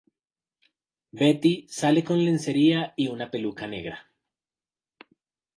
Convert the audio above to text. Betty sale con lencería y una peluca negra.